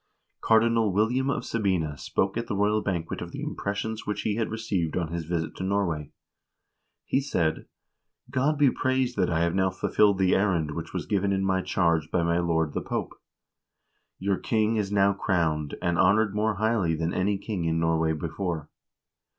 x Cardinal William of Sabina spoke at the royal banquet of the impressions which he had received on his visit to Norway. He said : "God be praised that I have now fulfilled the errand which was given in my charge by my lord the Pope. Your king is now crowned, and honored more highly than any king in Norway before.